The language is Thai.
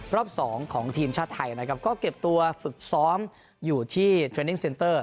รอบสองของทีมชาติไทยนะครับก็เก็บตัวฝึกซ้อมอยู่ที่เทรนนิ่งเซ็นเตอร์